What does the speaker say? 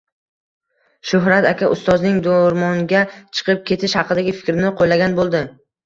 Shuhrat aka ustozning Do‘rmonga chiqib kelish haqidagi fikrini qo‘llagan bo‘ldi: